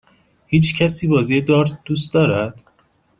هیچکسی بازی دارت دوست دارد؟